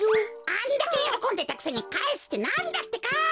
あんだけよろこんでたくせにかえすってなんだってか！